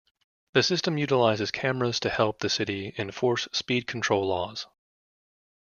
The system utilizes cameras to help the city enforce speed control laws.